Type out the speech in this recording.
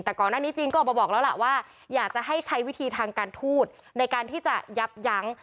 แต่ก่อนหน้านี้จีนก็ออกมาบอกแล้วล่ะว่าอยากจะให้ใช้วิธีทางการทูตในการที่จะยับยั้ง